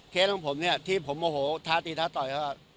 เคสของผมเนี่ยที่ผมโอ้โหท้าตีท้าต่อย